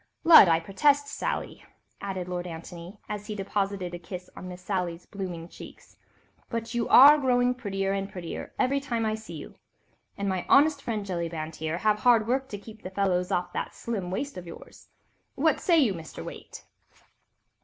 "Lud, I protest, Sally," added Lord Antony, as he deposited a kiss on Miss Sally's blooming cheeks, "but you are growing prettier and prettier every time I see you—and my honest friend, Jellyband here, must have hard work to keep the fellows off that slim waist of yours. What say you, Mr. Waite?"